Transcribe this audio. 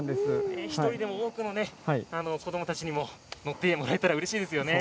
１人でも多くの子どもたちに乗ってもらえたらうれしいですね。